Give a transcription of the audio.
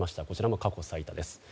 こちらも過去最多です。